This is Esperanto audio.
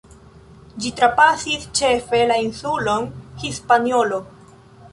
Ĝi trapasis ĉefe la insulon Hispaniolo.